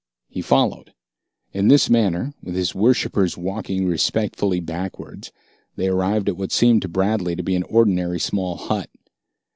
He followed. In this manner, with his worshippers walking respectfully backwards, they arrived at what seemed to Bradley to be an ordinary small hut.